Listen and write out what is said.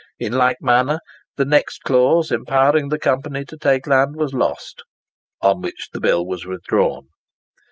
In like manner, the next clause, empowering the Company to take land, was lost; on which the bill was withdrawn.